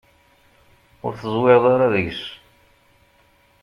Ur teẓwireḍ ara deg-s.